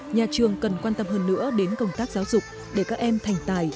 nhà trường cần quan tâm hơn nữa đến công tác giáo dục để các em thành tài